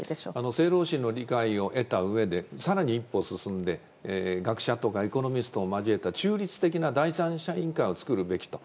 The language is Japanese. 政労使の理解を得たうえで更に一歩進んで、学者と外交のエコノミストを交えた中立的な第三者委員会を作るべきだと。